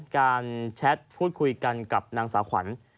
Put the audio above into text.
แชทพูดคุยกันกับนางสาวขวัญ